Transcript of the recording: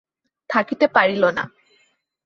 থাকিতে পারিল না।